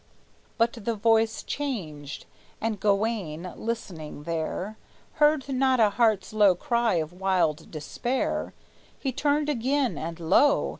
But the voice changed, and Gawayne, listening there, Heard now a heart's low cry of wild despair. He turned again, and lo!